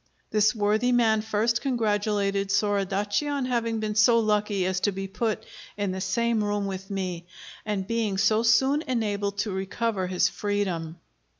This worthy man first congratulated Soradaci on having been so lucky as to be put in the same room with me, and being so soon enabled to recover his freedom.